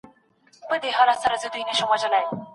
د يو شي ياد څو واره زړه راتللو ته دېغت وايي .